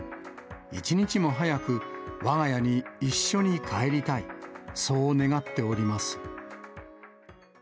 一日も早く、わが家に一緒に帰りたい、そう願っております。